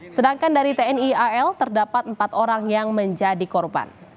sedangkan dari tni al terdapat empat orang yang menjadi korban